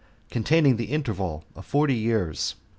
Containing The Interval Of Forty Years.